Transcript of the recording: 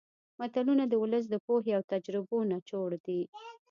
متلونه د ولس د پوهې او تجربو نچوړ دي